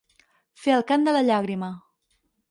Fer el cant de la llàgrima.